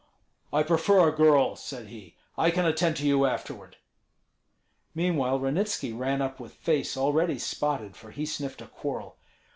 "I prefer a girl," said he; "I can attend to you afterward." Meanwhile Ranitski ran up with face already spotted, for he sniffed a quarrel.